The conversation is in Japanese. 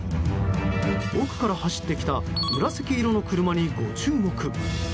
奥から走ってきた紫色の車にご注目。